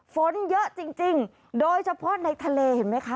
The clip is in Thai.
ฝนเยอะจริงโดยเฉพาะในทะเลเห็นไหมคะ